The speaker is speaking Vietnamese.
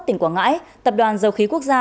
tỉnh quảng ngãi tập đoàn dầu khí quốc gia